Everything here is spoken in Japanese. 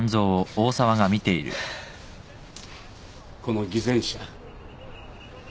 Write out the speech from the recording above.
この偽善者。